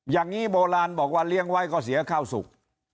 อย่างนี้โบราณบอกว่าเลี้ยงไว้ก็เสียข้าวสุก